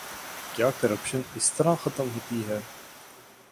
کیا کرپشن اس طرح ختم ہوتی ہے؟